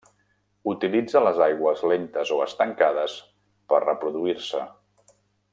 Utilitza les aigües lentes o estancades per reproduir-se.